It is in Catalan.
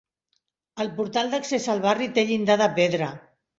El portal d'accés al barri té llindar de pedra.